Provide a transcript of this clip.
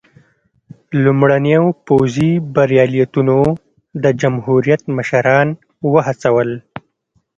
لومړنیو پوځي بریالیتوبونو د جمهوریت مشران وهڅول.